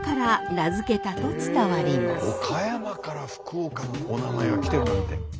岡山から福岡のお名前が来てるなんて。